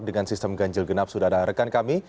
dengan sistem ganjil genap sudah ada rekan kami